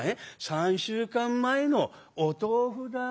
３週間前のお豆腐だ？